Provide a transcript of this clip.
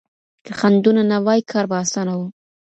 که خنډونه نه واي کار به اسانه و.